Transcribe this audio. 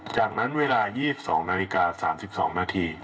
จากนั้นเวลา๒๒นาฬิกา๓๒นาที